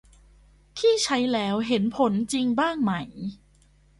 ที่ใช้แล้วเห็นผลจริงบ้างไหม